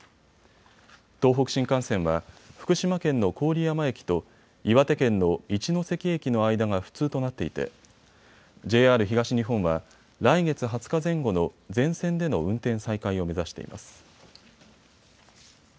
東北新幹線は福島県の郡山駅と岩手県の一ノ関駅の間が不通となっていてＪＲ東日本は来月２０日前後の全線での運転再開を目指しています。